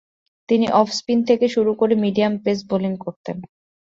তিনি off spin থেকে শুরু করে মিডিয়াম পেস বোলিং করতেন।